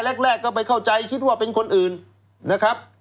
แรกก็ไม่เข้าใจคิดว่าเป็นคนอื่นนะครับ